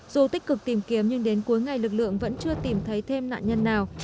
dù tích cực tìm kiếm nhưng đến cuối ngày lực lượng vẫn chưa tìm thấy thêm nạn nhân nào